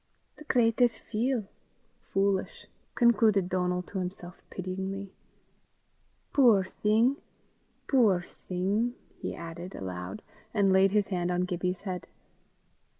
"The cratur's feel (foolish)!" concluded Donal to himself pityingly. "Puir thing! puir thing!" he added aloud, and laid his hand on Gibbie's head.